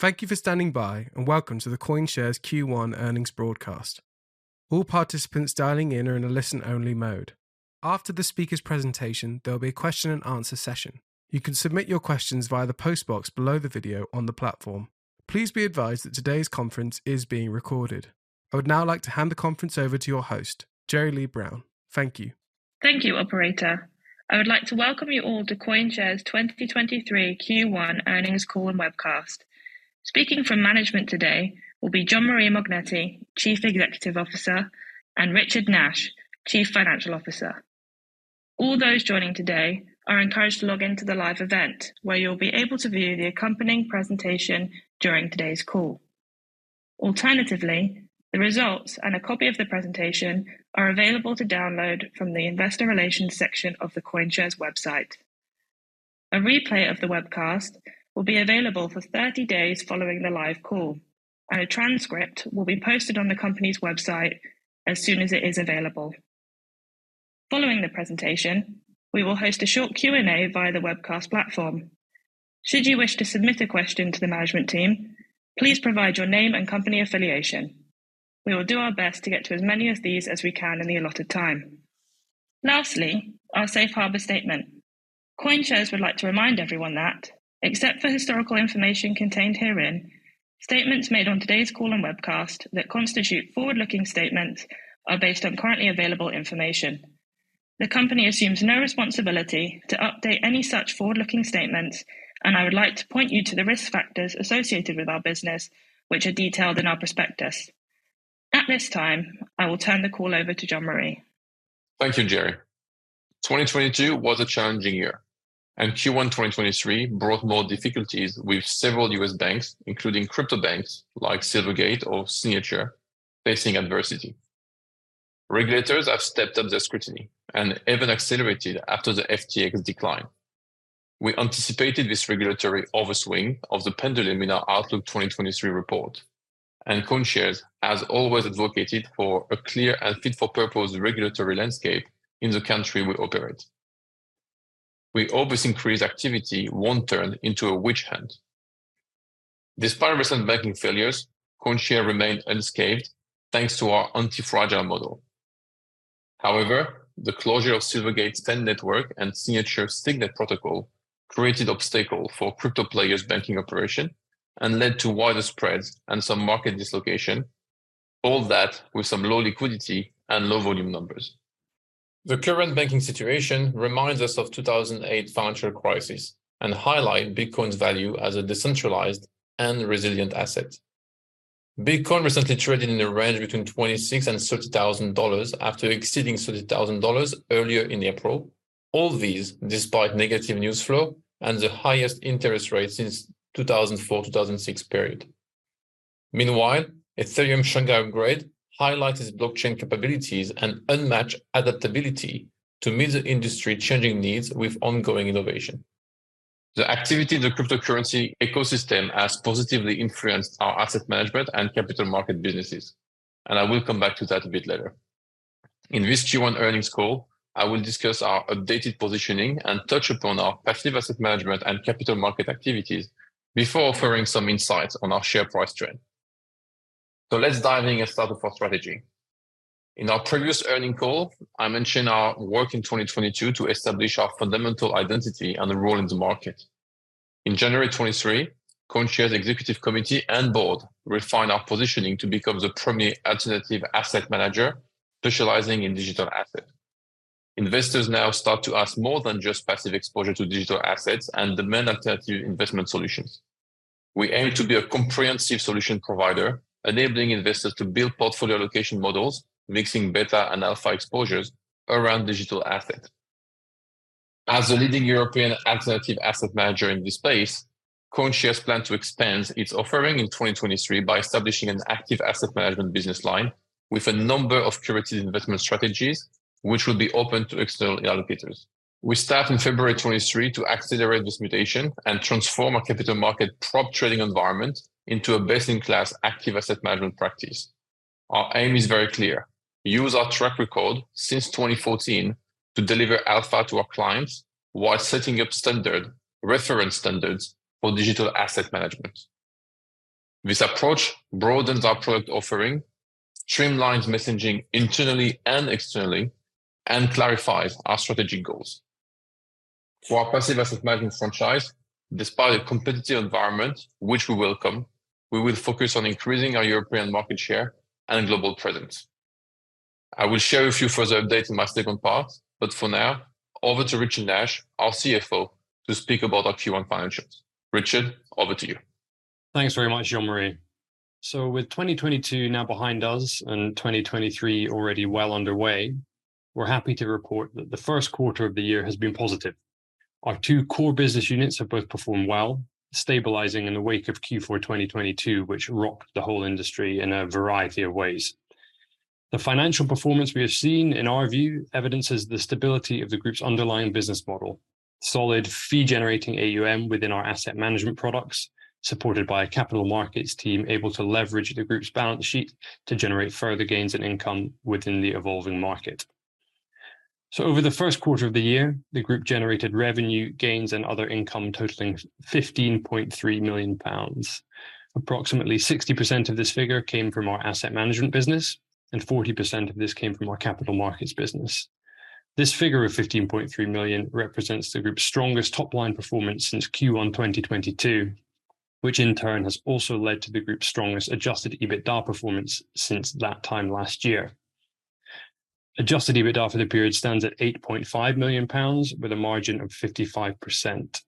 Thank you for standing by, and welcome to the CoinShares Q1 earnings broadcast. All participants dialing in are in a listen-only mode. After the speaker's presentation, there'll be a question-and-answer session. You can submit your questions via the post box below the video on the platform. Please be advised that today's conference is being recorded. I would now like to hand the conference over to your host, Jeri-Lea Brown. Thank you. Thank you, operator. I would like to welcome you all to CoinShares' 2023 Q1 earnings call and webcast. Speaking from management today will be Jean-Marie Mognetti, Chief Executive Officer, and Richard Nash, Chief Financial Officer. All those joining today are encouraged to log in to the live event, where you'll be able to view the accompanying presentation during today's call. Alternatively, the results and a copy of the presentation are available to download from the investor relations section of the CoinShares website. A replay of the webcast will be available for 30 days following the live call, and a transcript will be posted on the company's website as soon as it is available. Following the presentation, we will host a short Q&A via the webcast platform. Should you wish to submit a question to the management team, please provide your name and company affiliation. We will do our best to get to as many of these as we can in the allotted time. Lastly, our safe harbor statement. CoinShares would like to remind everyone that except for historical information contained herein, statements made on today's call and webcast that constitute forward-looking statements are based on currently available information. The company assumes no responsibility to update any such forward-looking statements, and I would like to point you to the risk factors associated with our business, which are detailed in our prospectus. At this time, I will turn the call over to Jean-Marie. Thank you, Jeri-Lea. 2022 was a challenging year. Q1 2023 brought more difficulties with several U.S. banks, including crypto banks like Silvergate or Signature facing adversity. Regulators have stepped up their scrutiny and even accelerated after the FTX decline. We anticipated this regulatory over-swing of the pendulum in our Outlook 2023 report, and CoinShares has always advocated for a clear and fit for purpose regulatory landscape in the country we operate. We always increase activity one turn into a witch hunt. Despite recent banking failures, CoinShares remained unscathed thanks to our anti-fragile model. However, the closure of Silvergate's SEN network and Signature Signet protocol created obstacle for crypto players' banking operation and led to wider spreads and some market dislocation. All that with some low liquidity and low volume numbers. The current banking situation reminds us of 2008 financial crisis and highlight Bitcoin's value as a decentralized and resilient asset. Bitcoin recently traded in a range between $26,000-$30,000 after exceeding $30,000 earlier in April. All these despite negative news flow and the highest interest rate since 2004-2006 period. Meanwhile, Ethereum Shanghai upgrade highlighted blockchain capabilities and unmatched adaptability to meet the industry changing needs with ongoing innovation. The activity in the cryptocurrency ecosystem has positively influenced our asset management and capital market businesses, and I will come back to that a bit later. In this Q1 earnings call, I will discuss our updated positioning and touch upon our passive asset management and capital market activities before offering some insights on our share price trend. Let's dive in and start with our strategy. In our previous earnings call, I mentioned our work in 2022 to establish our fundamental identity and role in the market. In January 2023, CoinShares executive committee and board refined our positioning to become the premier alternative asset manager specializing in digital asset. Investors now start to ask more than just passive exposure to digital assets and demand alternative investment solutions. We aim to be a comprehensive solution provider, enabling investors to build portfolio location models, mixing better and alpha exposures around digital asset. As a leading European alternative asset manager in this space, CoinShares plan to expand its offering in 2023 by establishing an active asset management business line with a number of curated investment strategies, which will be open to external allocators. We start in February 2023 to accelerate this mutation and transform our capital market prop trading environment into a best-in-class active asset management practice. Our aim is very clear: use our track record since 2014 to deliver alpha to our clients while setting up standard, reference standards for digital asset management. This approach broadens our product offering, streamlines messaging internally and externally, and clarifies our strategic goals. For our passive asset management franchise, despite a competitive environment which we welcome, we will focus on increasing our European market share and global presence. I will share a few further updates in my second part, for now, over to Richard Nash, our CFO, to speak about our Q1 financials. Richard, over to you. Thanks very much, Jean-Marie. With 2022 now behind us and 2023 already well underway, we're happy to report that the first quarter of the year has been positive. Our two core business units have both performed well, stabilizing in the wake of Q4 2022, which rocked the whole industry in a variety of ways. The financial performance we have seen in our view evidences the stability of the group's underlying business model, solid fee generating AUM within our asset management products, supported by a capital markets team able to leverage the group's balance sheet to generate further gains in income within the evolving market. Over the first quarter of the year, the group generated revenue gains and other income totaling 15.3 million pounds. Approximately 60% of this figure came from our asset management business and 40% of this came from our capital markets business. This figure of 15.3 million represents the group's strongest top-line performance since Q1 2022, which in turn has also led to the group's strongest adjusted EBITDA performance since that time last year. Adjusted EBITDA for the period stands at 8.5 million pounds with a margin of 55%.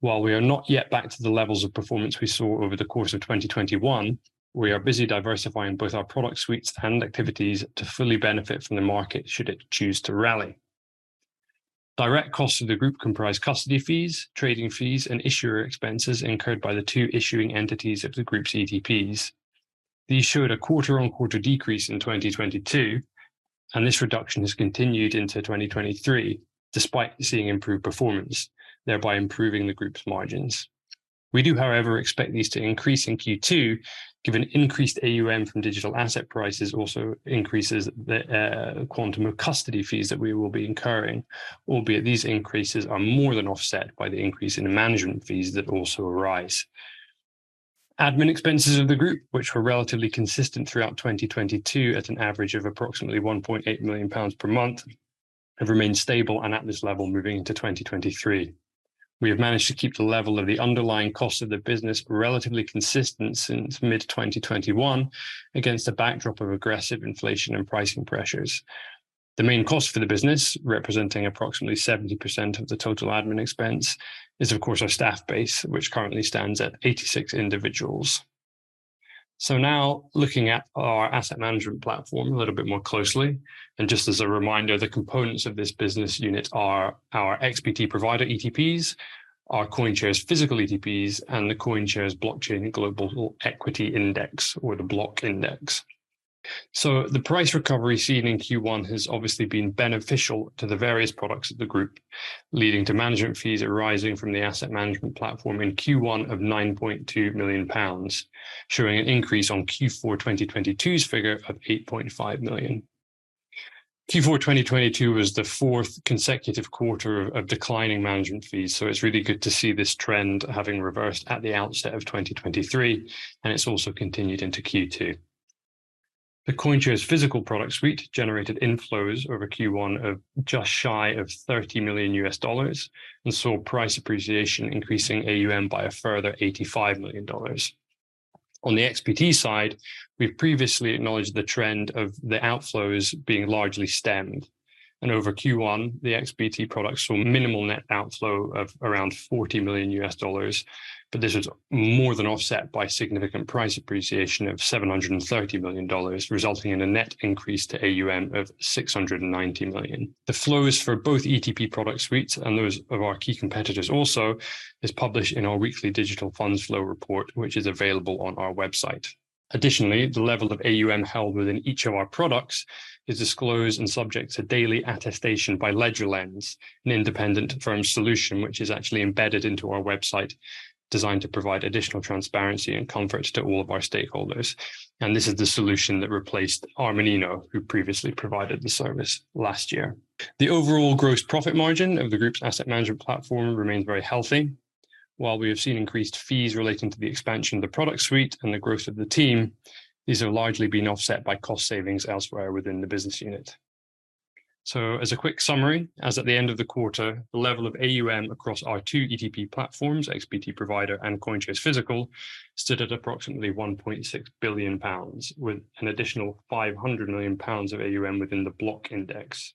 While we are not yet back to the levels of performance we saw over the course of 2021, we are busy diversifying both our product suites and activities to fully benefit from the market should it choose to rally. Direct costs of the group comprise custody fees, trading fees, and issuer expenses incurred by the two issuing entities of the group's ETPs. These showed a quarter-on-quarter decrease in 2022, and this reduction has continued into 2023, despite seeing improved performance, thereby improving the group's margins. We do, however, expect these to increase in Q2, given increased AUM from digital asset prices also increases the quantum of custody fees that we will be incurring, albeit these increases are more than offset by the increase in management fees that also arise. Admin expenses of the group, which were relatively consistent throughout 2022 at an average of approximately 1.8 million pounds per month, have remained stable and at this level moving into 2023. We have managed to keep the level of the underlying cost of the business relatively consistent since mid-2021 against a backdrop of aggressive inflation and pricing pressures. The main cost for the business, representing approximately 70% of the total admin expense, is of course our staff base, which currently stands at 86 individuals. Now looking at our asset management platform a little bit more closely, and just as a reminder, the components of this business unit are our XBT Provider ETPs, our CoinShares Physical ETPs, and the CoinShares Blockchain Global Equity Index or the BLOCK Index. The price recovery seen in Q1 has obviously been beneficial to the various products of the group, leading to management fees arising from the asset management platform in Q1 of 9.2 million pounds, showing an increase on Q4 2022's figure of 8.5 million. Q4 2022 was the fourth consecutive quarter of declining management fees. It's really good to see this trend having reversed at the outset of 2023, and it's also continued into Q2. The CoinShares Physical product suite generated inflows over Q1 of just shy of $30 million and saw price appreciation increasing AUM by a further $85 million. On the XBT side, we've previously acknowledged the trend of the outflows being largely stemmed. Over Q1, the XBT products saw minimal net outflow of around $40 million. This was more than offset by significant price appreciation of $730 million, resulting in a net increase to AUM of $690 million. The flows for both ETP product suites and those of our key competitors also is published in our weekly digital funds flow report, which is available on our website. Additionally, the level of AUM held within each of our products is disclosed and subject to daily attestation by LedgerLens, an independent firm solution which is actually embedded into our website, designed to provide additional transparency and comfort to all of our stakeholders. This is the solution that replaced Armanino, who previously provided the service last year. The overall gross profit margin of the group's asset management platform remains very healthy. While we have seen increased fees relating to the expansion of the product suite and the growth of the team, these have largely been offset by cost savings elsewhere within the business unit. As a quick summary, as at the end of the quarter, the level of AUM across our two ETP platforms, XBT Provider and CoinShares Physical, stood at approximately 1.6 billion pounds, with an additional 500 million pounds of AUM within the BLOCK Index.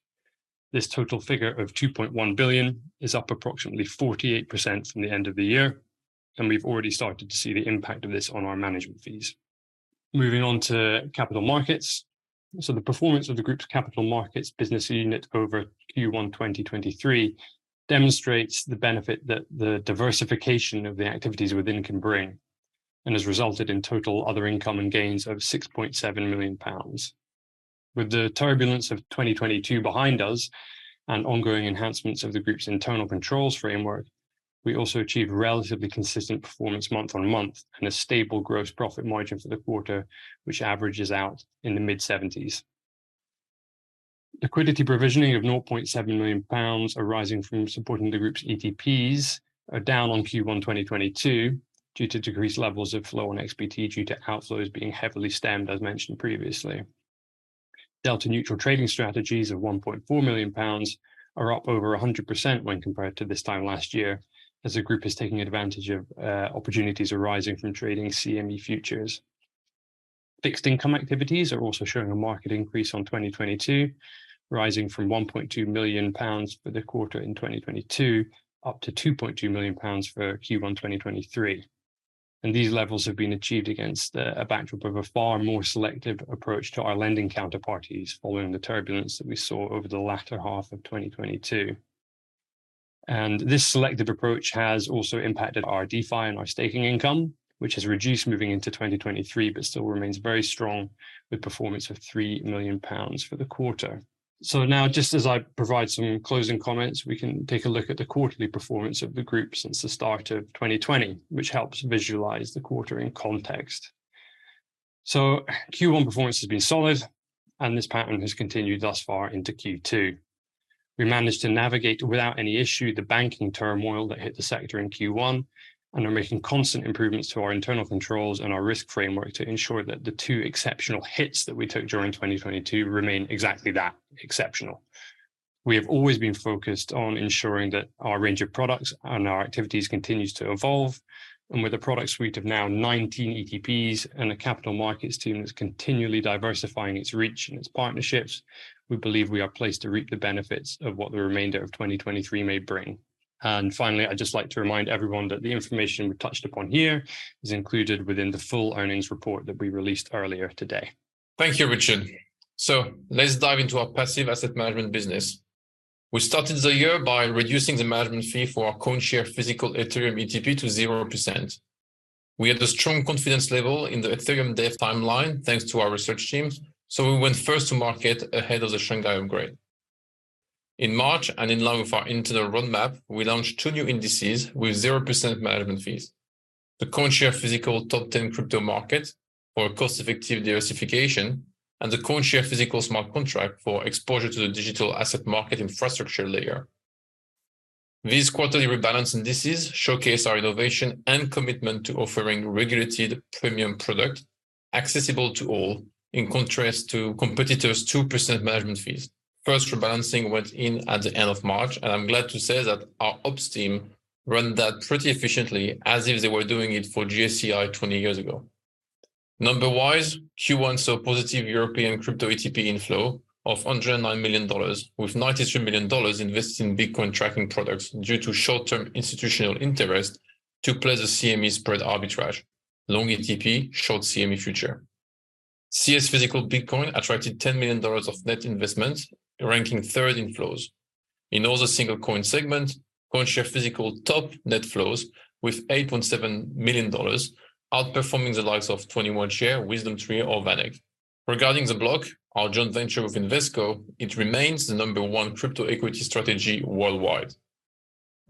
This total figure of 2.1 billion is up approximately 48% from the end of the year, and we've already started to see the impact of this on our management fees. Moving on to capital markets. The performance of the group's capital markets business unit over Q1 2023 demonstrates the benefit that the diversification of the activities within can bring and has resulted in total other income and gains of 6.7 million pounds. With the turbulence of 2022 behind us and ongoing enhancements of the group's internal controls framework, we also achieved relatively consistent performance month-on-month and a stable gross profit margin for the quarter, which averages out in the mid-70s. Liquidity provisioning of 0.7 million pounds arising from supporting the group's ETPs are down on Q1 2022 due to decreased levels of flow on XBT due to outflows being heavily stemmed, as mentioned previously. delta-neutral trading strategies of 1.4 million pounds are up over 100 when compared to this time last year, as the group is taking advantage of opportunities arising from trading CME futures. Fixed income activities are also showing a market increase on 2022, rising from 1.2 million pounds for the quarter in 2022 up to 2.2 million pounds for Q1 2023. These levels have been achieved against a backdrop of a far more selective approach to our lending counterparties following the turbulence that we saw over the latter half of 2022. This selective approach has also impacted our DeFi and our staking income, which has reduced moving into 2023, but still remains very strong with performance of three million pounds for the quarter. Now just as I provide some closing comments, we can take a look at the quarterly performance of the group since the start of 2020, which helps visualize the quarter in context. Q1 performance has been solid, and this pattern has continued thus far into Q2. We managed to navigate without any issue the banking turmoil that hit the sector in Q1, are making constant improvements to our internal controls and our risk framework to ensure that the two exceptional hits that we took during 2022 remain exactly that, exceptional. We have always been focused on ensuring that our range of products and our activities continues to evolve. With a product suite of now 19 ETPs and a capital markets team that's continually diversifying its reach and its partnerships, we believe we are placed to reap the benefits of what the remainder of 2023 may bring. Finally, I'd just like to remind everyone that the information we touched upon here is included within the full earnings report that we released earlier today. Thank you, Richard. Let's dive into our passive asset management business. We started the year by reducing the management fee for our CoinShares Physical Ethereum ETP to 0%. We had a strong confidence level in the Ethereum dev timeline, thanks to our research teams. We went first to market ahead of the Shanghai upgrade. In March, in line with our internal roadmap, we launched two new indices with 0% management fees. The CoinShares Physical Top 10 Crypto Market, for cost-effective diversification, and the CoinShares Physical Smart Contract for exposure to the digital asset market infrastructure layer. These quarterly rebalance indices showcase our innovation and commitment to offering regulated premium product accessible to all, in contrast to competitors' 2% management fees. First rebalancing went in at the end of March. I'm glad to say that our ops team ran that pretty efficiently as if they were doing it for GSCI 20 years ago. Number wise, Q1 saw positive European crypto ETP inflow of $109 million, with $93 million invested in Bitcoin tracking products due to short-term institutional interest to play the CME spread arbitrage, long ETP, short CME future. CS Physical Bitcoin attracted $10 million of net investments, ranking third in flows. In all the single coin segment, CoinShares Physical top net flows with $8.7 million, outperforming the likes of 21Shares, WisdomTree or VanEck. Regarding the BLOCK Index, our joint venture with Invesco, it remains the number one crypto equity strategy worldwide.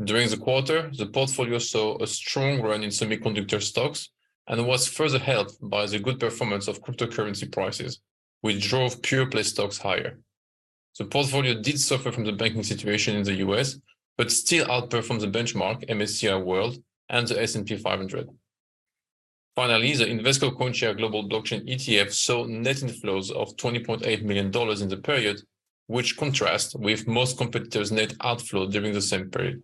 During the quarter, the portfolio saw a strong run in semiconductor stocks and was further helped by the good performance of cryptocurrency prices, which drove pure-play stocks higher. The portfolio did suffer from the banking situation in the US, but still outperformed the benchmark MSCI World and the S&P 500. Finally, the Invesco CoinShares Global Blockchain ETF saw net inflows of $20.8 million in the period, which contrast with most competitors' net outflow during the same period.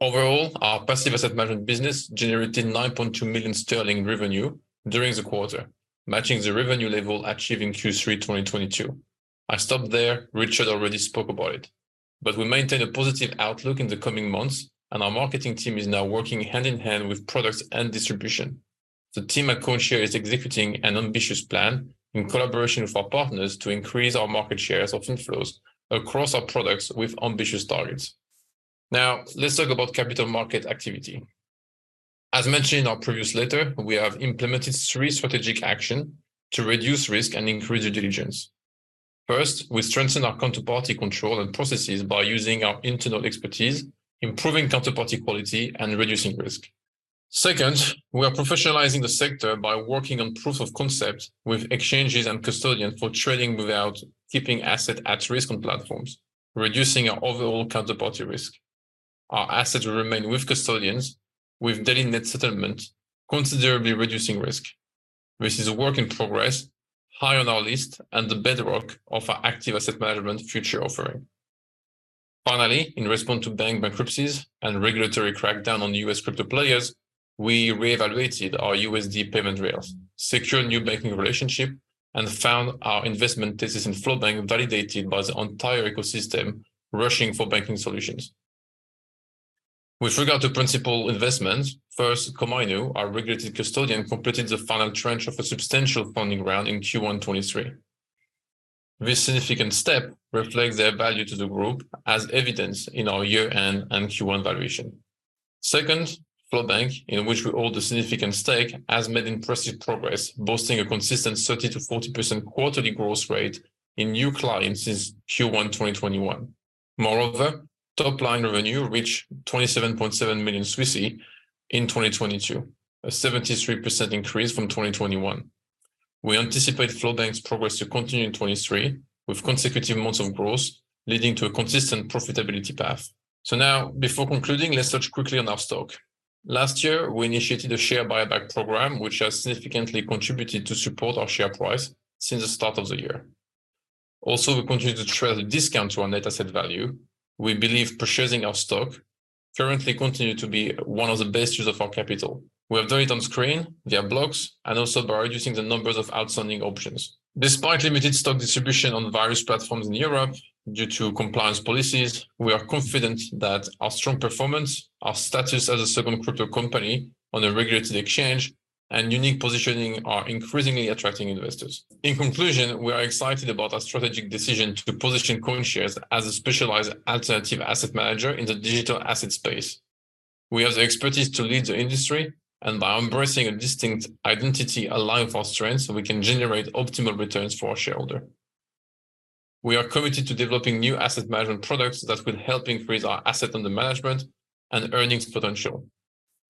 Overall, our passive asset management business generated 9.2 million sterling revenue during the quarter, matching the revenue level achieved in Q3 2022. I stop there. Richard already spoke about it. We maintain a positive outlook in the coming months, and our marketing team is now working hand in hand with products and distribution. The team at CoinShares is executing an ambitious plan in collaboration with our partners to increase our market share as open flows across our products with ambitious targets. Let's talk about capital market activity. As mentioned in our previous letter, we have implemented three strategic action to reduce risk and increase due diligence. First, we strengthen our counterparty control and processes by using our internal expertise, improving counterparty quality and reducing risk. Second, we are professionalizing the sector by working on proof of concept with exchanges and custodians for trading without keeping assets at risk on platforms, reducing our overall counterparty risk. Our assets remain with custodians with daily net settlement, considerably reducing risk. This is a work in progress, high on our list, and the bedrock of our active asset management future offering. In response to bank bankruptcies and regulatory crackdown on US crypto players, we reevaluated our USD payment rails, secured a new banking relationship, and found our investment thesis in FlowBank validated by the entire ecosystem rushing for banking solutions. With regard to principal investments, first, Komainu, our regulated custodian, completed the final tranche of a substantial funding round in Q1 2023. This significant step reflects their value to the group as evidenced in our year-end and Q1 valuation. Second, FlowBank, in which we hold a significant stake, has made impressive progress, boasting a consistent 30%-40% quarterly growth rate in new clients since Q1 2021. Top-line revenue reached 27.7 million in 2022, a 73% increase from 2021. We anticipate FlowBank's progress to continue in 2023, with consecutive months of growth leading to a consistent profitability path. Before concluding, let's touch quickly on our stock. Last year, we initiated a share buyback program, which has significantly contributed to support our share price since the start of the year. Also, we continue to trade at a discount to our net asset value. We believe purchasing our stock currently continue to be one of the best use of our capital. We have done it on screen, via blocks, and also by reducing the numbers of outstanding options. Despite limited stock distribution on various platforms in Europe due to compliance policies, we are confident that our strong performance, our status as a second crypto company on a regulated exchange, and unique positioning are increasingly attracting investors. In conclusion, we are excited about our strategic decision to position CoinShares as a specialized alternative asset manager in the digital asset space. We have the expertise to lead the industry, and by embracing a distinct identity allowing for strength, we can generate optimal returns for our shareholder. We are committed to developing new asset management products that will help increase our asset under management and earnings potential.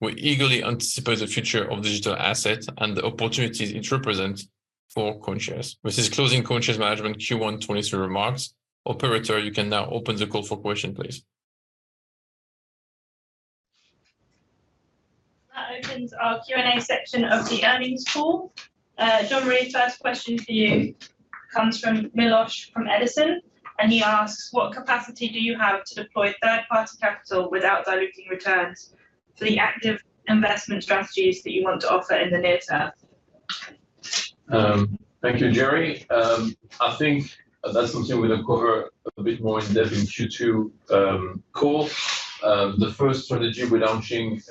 We eagerly anticipate the future of digital assets and the opportunities it represents for CoinShares. This is closing CoinShares management Q1 2023 remarks. Operator, you can now open the call for question, please. That opens our Q&A section of the earnings call. Jean-Marie, first question for you comes from Milosz from Edison, he asks, "What capacity do you have to deploy third-party capital without diluting returns for the active investment strategies that you want to offer in the near term? Thank you, Jeri-Lea. I think that's something we're gonna cover a bit more in-depth in Q2 call. The first strategy we're launching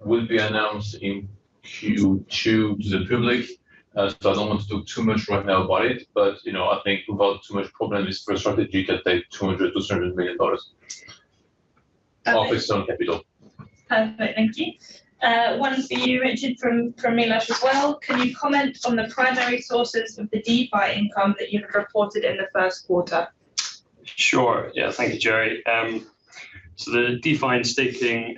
will be announced in Q2 to the public, so I don't want to talk too much right now about it. You know, I think without too much problem, this first strategy can take $200 million of external capital. Perfect. Thank you. One for you, Richard, from Milosz as well. Can you comment on the primary sources of the DeFi income that you have reported in the first quarter? Sure. Yeah. Thank you, Jeri. The DeFi and staking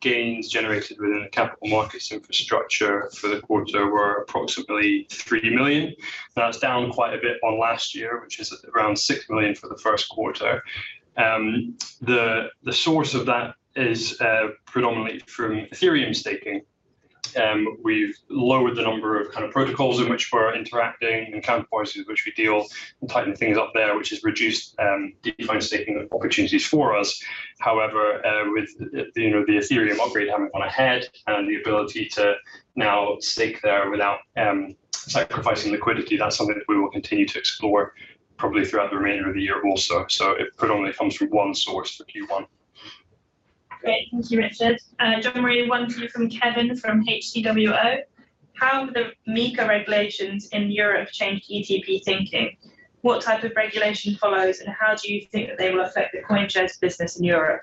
gains generated within the capital markets infrastructure for the quarter were approximately three million. That's down quite a bit on last year, which is around six million for the first quarter. The source of that is predominantly from Ethereum staking. We've lowered the number of kind of protocols in which we're interacting and counter parties which we deal and tighten things up there, which has reduced DeFi and staking opportunities for us. However, with, you know, the Ethereum upgrade having gone ahead and the ability to now stake there without sacrificing liquidity, that's something that we will continue to explore probably throughout the remainder of the year also. It predominantly comes from one source for Q1. Great. Thank you, Richard. Jean-Marie, one to you from Kevin from H.C. Wainwright & Co. How have the MiCA regulations in Europe changed ETP thinking? What type of regulation follows, and how do you think that they will affect the CoinShares business in Europe?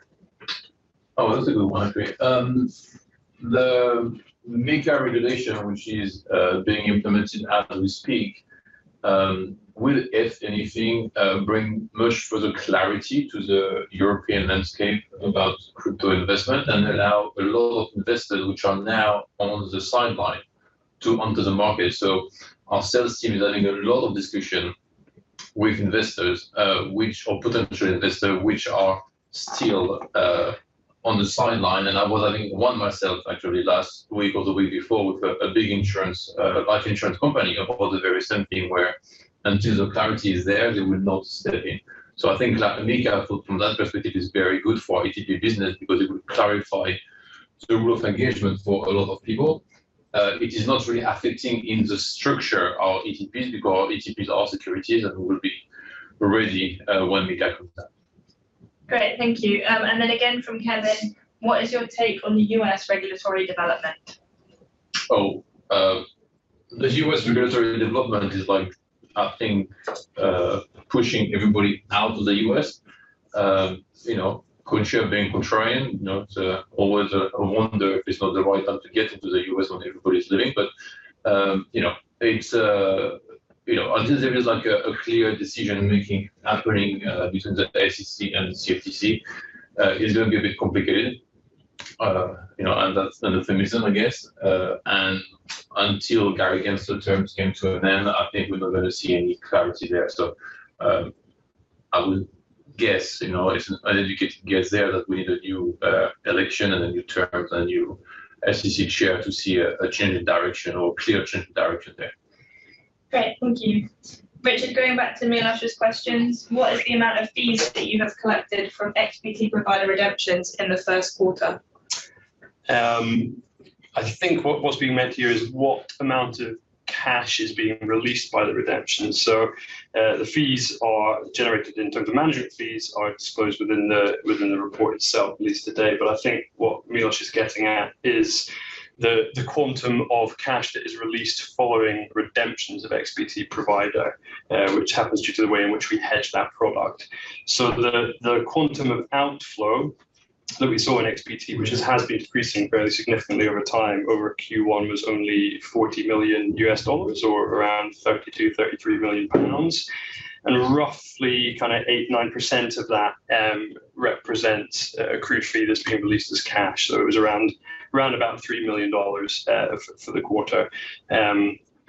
That's a good one. Great. The MiCA regulation, which is being implemented as we speak, will, if anything, bring much further clarity to the European landscape about crypto investment and allow a lot of investors which are now on the sideline to enter the market. Our sales team is having a lot of discussion with investors or potential investors which are still on the sideline, I was having one myself actually last week or the week before with a big insurance life insurance company about the very same thing where until the clarity is there, they will not step in. I think that MiCA from that perspective is very good for ETP business because it will clarify the rule of engagement for a lot of people. It is not really affecting in the structure of ETP because ETPs are securities, and we will be ready, when MiCA comes out. Great. Thank you. Again from Kevin, what is your take on the U.S. regulatory development? The US regulatory development is like, I think, pushing everybody out of the US. You know, CoinShares being contrarian, you know, it's always a wonder if it's not the right time to get into the US when everybody's leaving. You know, it's. You know, until there is like a clear decision-making happening between the SEC and CFTC, it's gonna be a bit complicated. You know, that's an understatement, I guess. Until Gary Gensler's terms come to an end, I think we're not gonna see any clarity there. I would guess, you know, it's an uneducated guess there that we need a new election and a new terms and new SEC chair to see a change in direction or clear change in direction there. Great. Thank you. Richard, going back to Milosz's questions, what is the amount of fees that you have collected from XBT Provider redemptions in the first quarter? I think what's being meant here is what amount of cash is being released by the redemption. The fees are generated in terms of management fees are disclosed within the, within the report itself, at least to date. I think what Milosz Papst is getting at is the quantum of cash that is released following redemptions of XBT Provider, which happens due to the way in which we hedge that product. The, the quantum of outflow that we saw in XBT, which has been decreasing fairly significantly over time, over Q1 was only $40 million or around 32-33 million pounds. Roughly 8%-9% of that represents accrued fees that's being released as cash. It was round about $3 million for the quarter.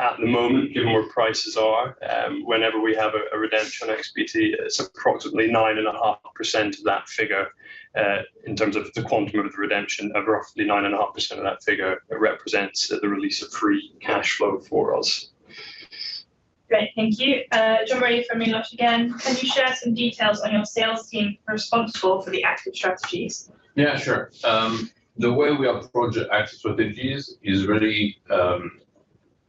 At the moment, given where prices are, whenever we have a redemption XBT, it's approximately 9.5% of that figure, in terms of the quantum of the redemption of roughly 9.5% of that figure represents the release of free cash flow for us. Great. Thank you. Jean-Marie, from Milosz again. Can you share some details on your sales team responsible for the active strategies? Yeah, sure. The way we approach active strategies is really,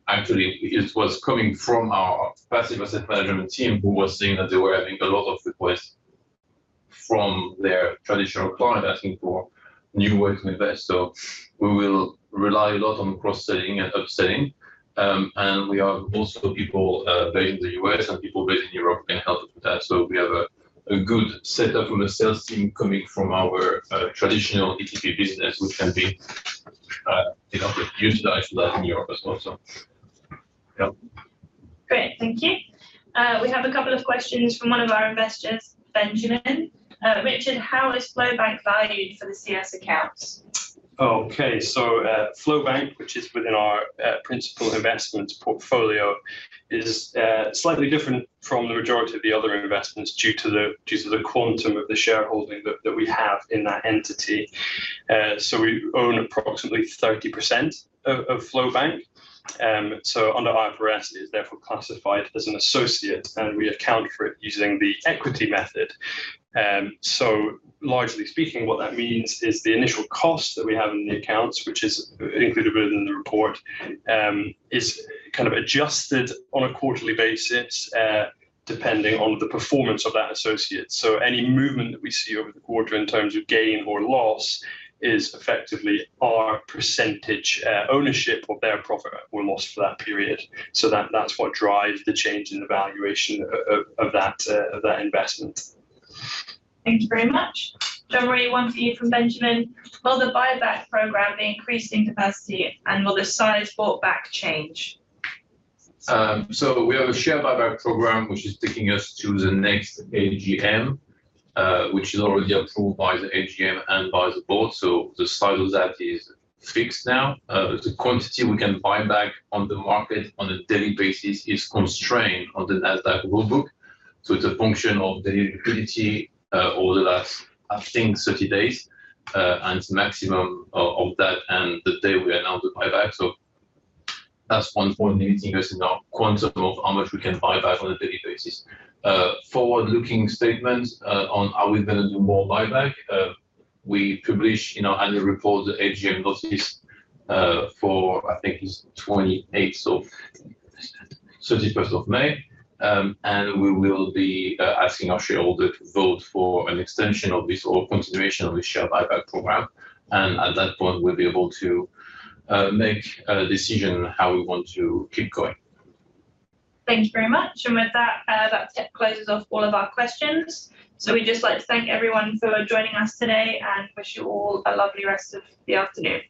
actually it was coming from our passive asset management team who was seeing that they were having a lot of requests from their traditional client asking for new ways to invest. We will rely a lot on cross-selling and upselling, and we are most of the people based in the US and people based in Europe can help with that. We have a good setup from a sales team coming from our traditional ETP business, which can be, you know, it's used to actually live in New York as well, so yep. Great. Thank you. We have a couple of questions from one of our investors, Benjamin. Richard, how is FlowBank valued for the CS accounts? Okay. FlowBank, which is within our principal investments portfolio, is slightly different from the majority of the other investments due to the quantum of the shareholding that we have in that entity. So we own approximately 30% of FlowBank. So under IFRS, it is therefore classified as an associate, and we account for it using the equity method. So largely speaking, what that means is the initial cost that we have in the accounts, which is included within the report, is kind of adjusted on a quarterly basis, depending on the performance of that associate. Any movement that we see over the quarter in terms of gain or loss is effectively our percentage ownership of their profit or loss for that period. That's what drives the change in the valuation of that, of that investment. Thank you very much. Jean-Marie, one for you from Benjamin. Will the buyback program be increased in capacity, and will the size bought back change? We have a share buyback program which is taking us to the next AGM, which is already approved by the AGM and by the board, the size of that is fixed now. The quantity we can buy back on the market on a daily basis is constrained on the Nasdaq rule book, it's a function of the liquidity over the last, I think 30 days, and maximum of that and the day we are now to buy back. That's 1.80%, our quantum of how much we can buy back on a daily basis. Forward-looking statements on are we gonna do more buyback, we publish in our annual report, the AGM notice, for I think it's 28th, so 31st of May. We will be asking our shareholder to vote for an extension of this or continuation of the share buyback program, and at that point, we'll be able to make a decision how we want to keep going. Thank you very much. With that closes off all of our questions. We'd just like to thank everyone for joining us today and wish you all a lovely rest of the afternoon.